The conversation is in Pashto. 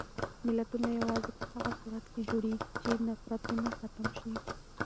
ملتونه یوازې په هغه صورت کې جوړېږي چې نفرتونه ختم شي.